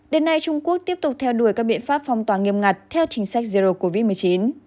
đến nay trung quốc tiếp tục theo đuổi các biện pháp phong tỏa nghiêm ngặt theo chính sách zero covid một mươi chín